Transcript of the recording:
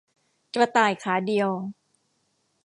กระต่ายขาเดียว